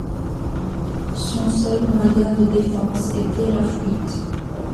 Son seul moyen de défense était la fuite.